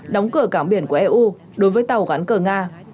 đóng cửa cảng biển của eu đối với tàu gắn cờ nga